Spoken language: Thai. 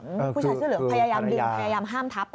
ผู้ชายเสื้อเหลืองพยายามดึงพยายามห้ามทับ